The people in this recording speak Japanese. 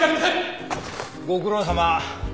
ご苦労さま。